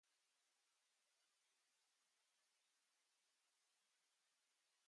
Fayose is now the only Nigerian to defeat an incumbent two times.